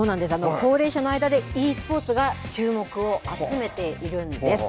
高齢者の間でｅスポーツが注目を集めているんです。